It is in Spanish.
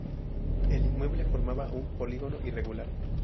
El inmueble formaba un polígono irregular.